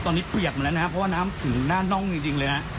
ตอนนี้เปียกมาแล้วนะครับเพราะว่าน้ำถึงหน้าน่องจริงเลยนะ